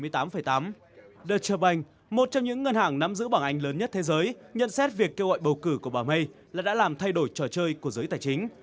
the chubb bank một trong những ngân hàng nắm giữ bảng anh lớn nhất thế giới nhận xét việc kêu gọi bầu cử của bà may là đã làm thay đổi trò chơi của giới tài chính